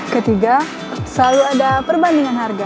ketiga selalu ada perbandingan harga